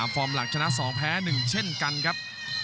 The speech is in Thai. ฟอร์มหลักชนะ๒แพ้๑เช่นกันครับ